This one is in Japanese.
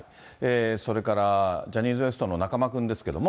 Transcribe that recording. それからジャニーズＷＥＳＴの中間君ですけども。